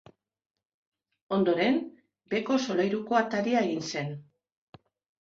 Ondoren, beheko solairuko ataria egin zen.